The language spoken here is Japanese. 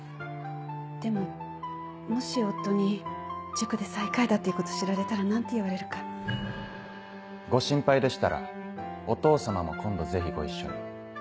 でももし夫に塾で最下位だっていうことを知られたら何て言われるか。ご心配でしたらお父様も今度ぜひご一緒に。